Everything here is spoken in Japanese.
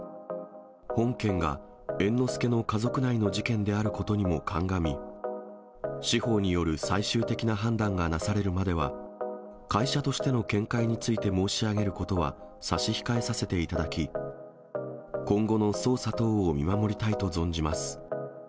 本件が猿之助の家族内の事件であることにも鑑み、司法による最終的な判断がなされるまでは、会社としての見解について申し上げることは差し控えさせていただき、今後の捜査等を見守りたいと存じます。